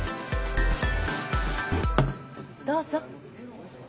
どうぞ。